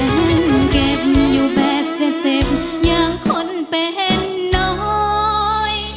เห็นเก็บอยู่แบบจะเจ็บอย่างคนเป็นน้อย